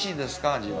味は。